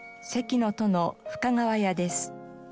「関の戸」の深川屋です。